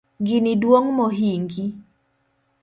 Gini duong mohingi